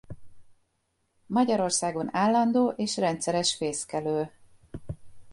Magyarországon állandó és rendszeres fészkelő.